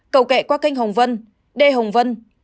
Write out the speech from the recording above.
cầu kẹ qua canh hồng vân đê hồng vân